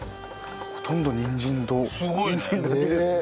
ほとんどにんじんとにんじんだけですね。